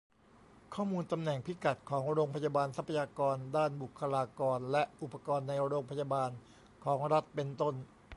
ข้อมูลตำแหน่งพิกัดของโรงพยาบาล ทรัพยากรด้านบุคลากร และ อุปกรณ์ในโรงพยาบาลของรัฐ เป็นต้น